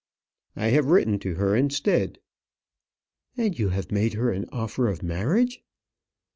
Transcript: "I have written to her, instead." "And you have made her an offer of marriage!"